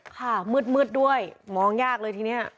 ค่ะมืดด้วยมองยากเลยทีนี้